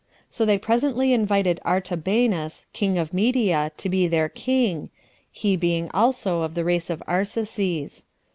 So they presently invited Artabanus, king of Media, to be their king, he being also of the race of Arsaces.